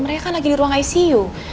mereka lagi di ruang icu